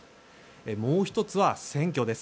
もう１つは選挙です。